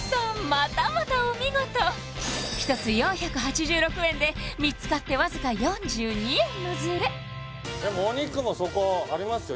またまたお見事１つ４８６円で３つ買ってわずか４２円のズレでもお肉もそこありますよ